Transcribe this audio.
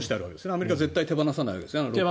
アメリカは絶対手放さないわけですよね。